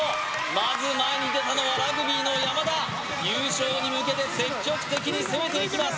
まず前に出たのはラグビーの山田優勝に向けて積極的に攻めていきます